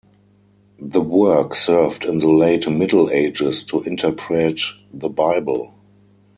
The work served in the late Middle Ages to interpret the Bible.